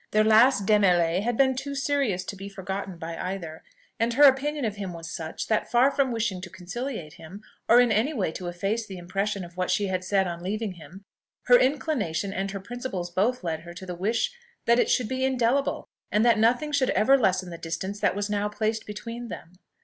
Their last démêlé had been too serious to be forgotten by either; and her opinion of him was such, that far from wishing to conciliate him, or in any way to efface the impression of what she had said on leaving him, her inclination and her principles both led her to wish that it should be indelible, and that nothing should ever lessen the distance that was now placed between them.